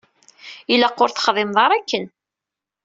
Ilaq ur texdimeḍ ara akken.